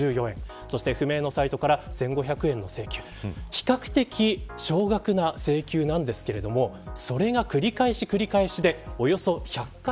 比較的少額な請求なんですがそれが繰り返しでおよそ１００回。